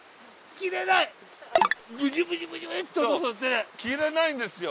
切れないんですよ